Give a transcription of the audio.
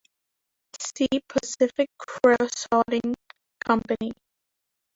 See Pacific Creosoting Company.